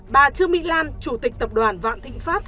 bà trương mỹ lan chủ tịch tập đoàn vạn thịnh pháp